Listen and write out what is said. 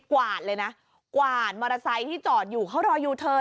วาดเลยนะกวาดมอเตอร์ไซค์ที่จอดอยู่เขารอยูเทิร์น